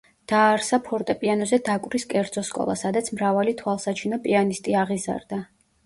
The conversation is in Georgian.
დააარსა ფორტეპიანოზე დაკვრის კერძო სკოლა, სადაც მრავალი თვალსაჩინო პიანისტი აღიზარდა.